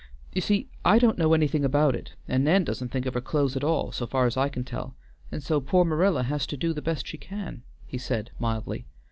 "You see I don't know anything about it, and Nan doesn't think of her clothes at all, so far as I can tell, and so poor Marilla has to do the best she can," he said mildly.